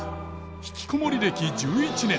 ひきこもり歴１１年。